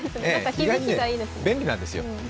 意外に便利なんですよ。